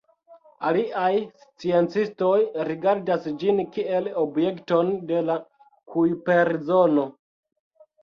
Aliaj sciencistoj rigardas ĝin kiel objekton de la Kujper-zono.